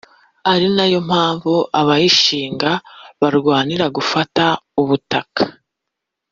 ari nayo mpamvu abayishinga barwanira gufata ubutaka